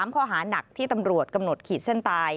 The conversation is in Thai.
ข้อหานักที่ตำรวจกำหนดขีดเส้นตาย